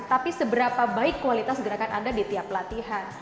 tapi seberapa baik kualitas gerakan anda di tiap latihan